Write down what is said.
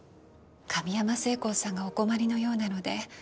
神山精工さんがお困りのようなので